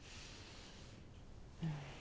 うん。